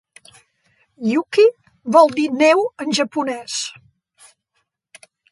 "Yuki" vol dir "neu" en japonès.